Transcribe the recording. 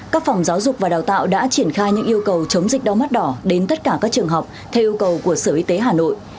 các phòng giáo dục và đào tạo đã triển khai những yêu cầu chống dịch đau mắt đỏ đến tất cả các trường học theo yêu cầu của sở y tế hà nội